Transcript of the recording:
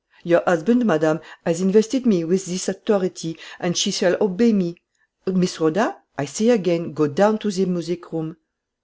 "Your husband, madame, has invested me with this authority, and she shall obey me. Miss Rhoda, I say again, go down to the music room."